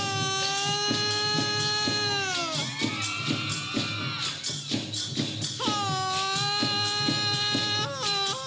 สั่นส์สนทั่วที่เกาะติด